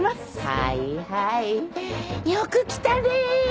はいはいよく来たね！